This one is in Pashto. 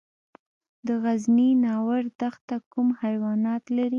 د غزني ناور دښته کوم حیوانات لري؟